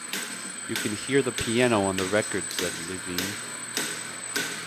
You can hear the piano on the record, said Levene.